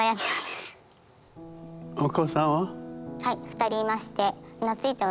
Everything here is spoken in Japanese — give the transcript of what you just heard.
お子さんは？